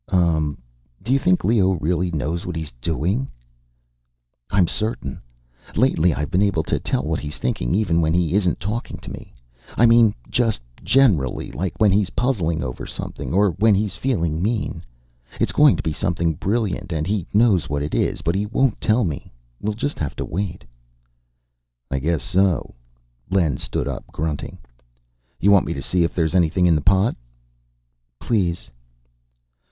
Umm. Do you think Leo really knows what he's doing?" "I'm certain. Lately I've been able to tell what he's thinking even when he isn't talking to me. I mean just generally, like when he's puzzling over something, or when he's feeling mean. It's going to be something brilliant and he knows what it is, but he won't tell me. We'll just have to wait." "I guess so." Len stood up, grunting. "You want me to see if there's anything in the pot?" "Please."